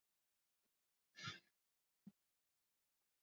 viazi lishe pia hutumika kama vichembe